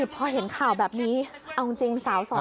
พอเห็นข่าวแบบนี้เอาจริงสาวสอง